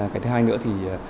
cái thứ hai nữa thì